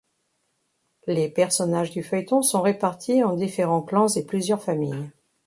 Les personnages du feuilleton sont répartis en différents clans et plusieurs familles.